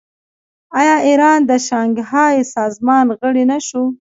آیا ایران د شانګهای سازمان غړی نه شو؟